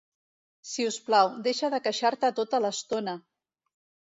Si us plau, deixa de queixar-te tota l'estona!